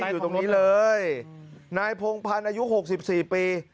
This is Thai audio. อยู่ตรงนี้เลยนายโพงพันอายุ๖๔ปี